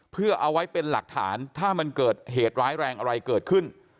เพื่อเอาไว้เป็นหลักฐานถ้ามันเกิดเหตุร้ายแรงอะไรเกิดขึ้น